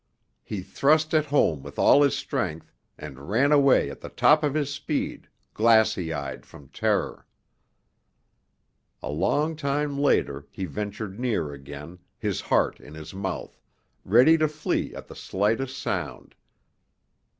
He thrust it home with all his strength and ran away at the top of his speed, glassy eyed from terror. A long time later he ventured near again, his heart in his mouth, ready to flee at the slightest sound.